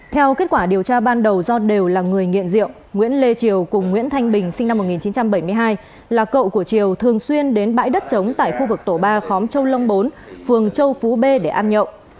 theo kết quả điều tra ban đầu do đều là người nghiện rượu nguyễn lê triều cùng nguyễn thanh bình sinh năm một nghìn chín trăm bảy mươi hai là cậu của triều thường xuyên đến bãi đất trống tại khu vực tổ ba khóm châu long bốn phường châu phú b để ăn nhậu